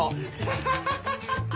ハハハハ！